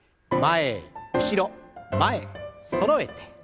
前後ろ前そろえて。